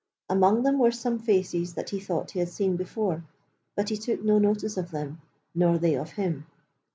Among them were some faces that he thought he had seen before, but he took no notice of them, nor they of him.